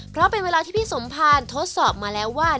เพราะเป็นเวลาที่พี่สมภารทดสอบมาแล้วว่า